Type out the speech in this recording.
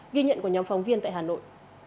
ghi nhận của nhóm phóng viên tại hà nội